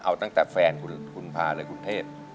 เอาตั้งแต่แฟนคุณพาเลยคุณเทศ